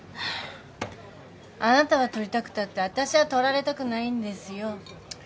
あなたは撮りたくたって私は撮られたくないんですよ。